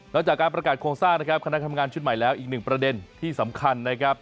แล้วจากการประกาศโครงสร้างนะครับคณะทำงานชุดใหม่แล้วอีกหนึ่งประเด็นที่สำคัญนะครับ